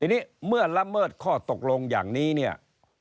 ทีนี้เมื่อละเมิดข้อตกลงอย่างนี้เนี่ย